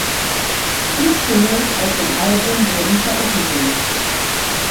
Vier Singles aus dem Album wurden veröffentlicht.